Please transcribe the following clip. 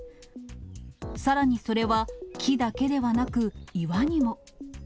さらにそれは、木だけではなく、岩にも。